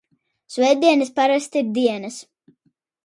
Svētdienas parasti ir dienas.